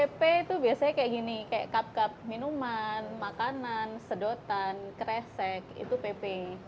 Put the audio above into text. pp itu biasanya kayak gini kayak cup cup minuman makanan sedotan kresek itu pp